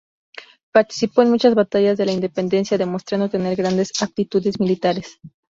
Participó en muchas batallas de la Independencia, demostrando tener grandes aptitudes militares.